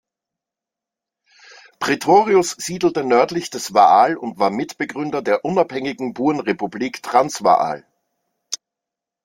Pretorius siedelte nördlich des Vaal und war Mitbegründer der unabhängigen Burenrepublik Transvaal.